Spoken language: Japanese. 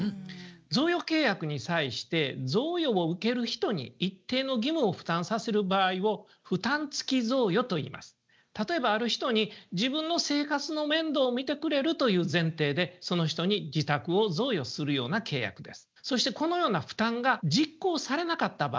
贈与契約に際して贈与を受ける人に一定の義務を負担させる場合を例えばある人に自分の生活の面倒を見てくれるという前提でその人に自宅を贈与するような契約です。